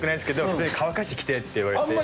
普通に乾かして来てって言われて。